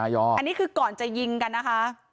อันนี้คือก่อนจะยิงกันนะคะ